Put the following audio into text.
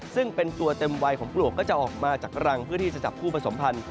ซึ่งเป็นตัวเต็มวัยของปลวกก็จะออกมาจากรังเพื่อที่จะจับคู่ผสมพันธุ